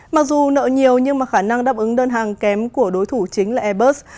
mặc dù nợ nhiều nhưng khả năng đáp ứng đơn hàng kém của đối thủ chính là airbus